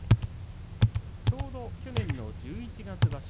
ちょうど去年の十一月場所